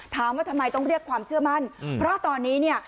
ถามว่าทำไมต้องเรียกความเชื่อมั่นเพราะตอนนี้เนี่ย